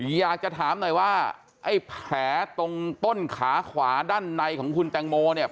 อยากจะถามหน่อยว่าไอ้แผลตรงต้นขาขวาด้านในของคุณแตงโมเนี่ย